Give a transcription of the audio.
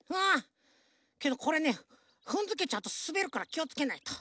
けどこれねふんづけちゃうとすべるからきをつけないと。